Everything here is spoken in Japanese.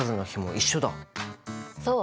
そう！